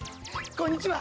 こんにちは！